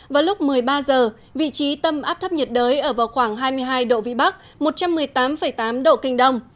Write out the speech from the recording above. vào lúc một mươi ba h vị trí tâm áp thấp nhiệt đới ở vào khoảng hai mươi hai độ vĩ bắc một trăm một mươi tám tám độ kinh đông